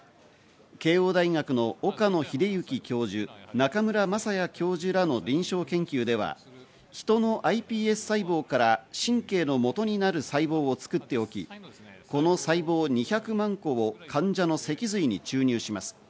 慶應大学の岡野栄之教授、中村雅也教授らの臨床研究では、ヒトのｉＰＳ細胞から神経のもとになる細胞を作っておき、この細胞２００万個を患者の脊髄に注入します。